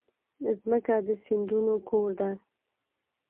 مځکه د سیندونو کور ده.